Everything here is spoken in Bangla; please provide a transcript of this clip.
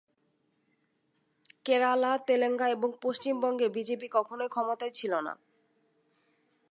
কেরালা, তেলেঙ্গানা এবং পশ্চিমবঙ্গে বিজেপি কখনোই ক্ষমতায় ছিল না।